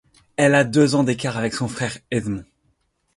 Elle a deux ans d'écart avec son frère, Edmund.